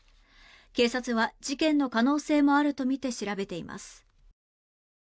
警察は事件の可能性もあるとみて調べています。